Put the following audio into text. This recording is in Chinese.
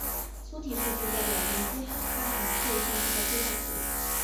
粗体数据代表从激发函数算出的最大值。